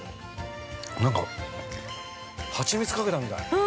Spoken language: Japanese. なんか、はちみつかけたみたい。